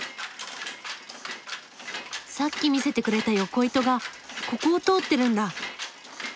さっき見せてくれた横糸がここを通ってるんだ。